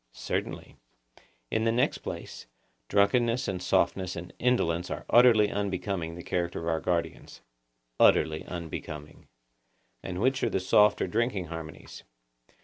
Certainly. In the next place, drunkenness and softness and indolence are utterly unbecoming the character of our guardians. Utterly unbecoming. And which are the soft or drinking harmonies?